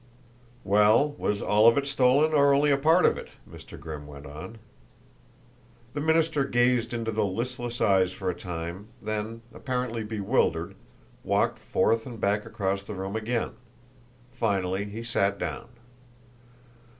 "Well, was all of it stolen, or only a part of it?" Mr. Grimm went on. The minister gazed into the listless eyes for a time, then, apparently bewildered, walked forth and back across the room again. Finally he sat down.